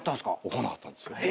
怒んなかったんですよ。